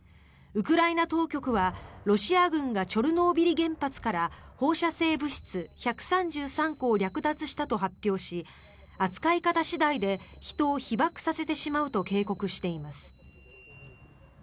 ウクライナ当局はロシア軍がチョルノービリ原発から放射性物質１３３個を略奪したと発表し扱い方次第で人を被ばくさせてしまうと警告しています。